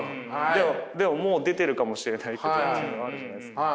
でももう出てるかもしれないけどというのはあるじゃないですか。